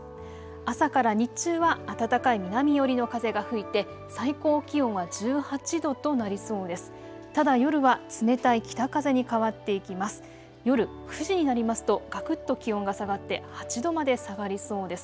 朝から日中は暖かい南寄りの風が吹いて最高気温は１８度となりそうです。